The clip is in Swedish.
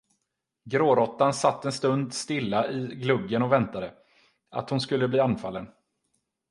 Gråråttan satt en stund stilla i gluggen och väntade, att hon skulle bli anfallen.